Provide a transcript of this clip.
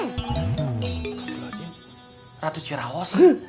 kasih lo aja ratu cirahos